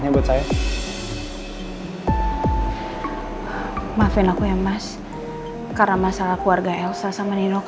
ya madem telat nih